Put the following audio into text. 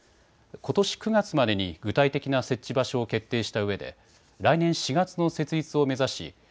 ことし９月までに具体的な設置場所を決定したうえで来年４月の設立を目指し